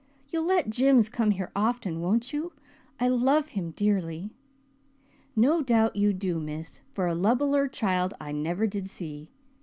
You'll let Jims come here often, won't you? I love him dearly." "No doubt you do, miss, for a lovabler child I never did see.